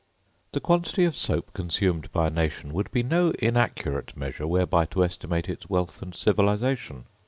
The quantity of soap consumed by a nation would be no inaccurate measure whereby to estimate its wealth and civilisation.